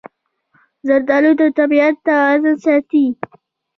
زردالو د طبیعت توازن ساتي.